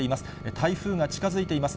台風が近づいています。